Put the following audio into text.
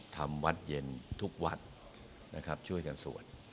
ทำวัดเย็นทุกวัดนะครับช่วยกันสวด